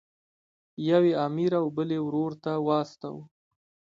یو یې امیر او بل یې ورور ته واستاوه.